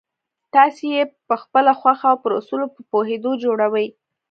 تاسې یې پخپله خوښه او پر اصولو په پوهېدو جوړوئ